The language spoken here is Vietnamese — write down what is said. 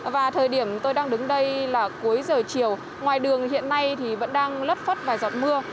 và thời điểm tôi đang đứng đây là cuối giờ chiều ngoài đường hiện nay thì vẫn đang lất phất vài giọt mưa